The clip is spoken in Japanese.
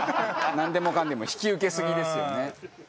なんでもかんでも引き受けすぎですよね。